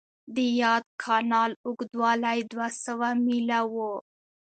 د یاد کانال اوږدوالی دوه سوه میله و.